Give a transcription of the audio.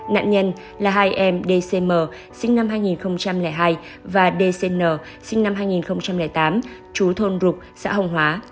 nạn nhân là hai em dcm sinh năm hai nghìn hai và dcn sinh năm hai nghìn tám chú thôn rục xã hồng hóa